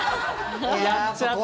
やっちゃった。